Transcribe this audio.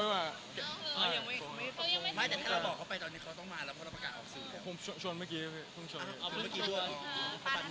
เราต้องการเขา